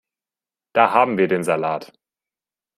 Da haben wir den Salat.